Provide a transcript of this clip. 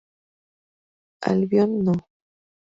Albion No.